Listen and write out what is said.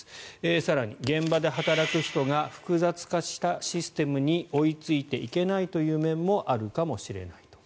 更に、現場で働く人が複雑化したシステムに追いついていけないという面もあるかもしれないと。